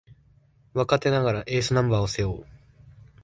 若手ながらエースナンバーを背負う